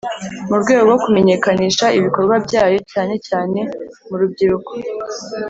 Mu rwego rwo kumenyekanisha ibikorwa byayo cyane cyane mu rubyiruko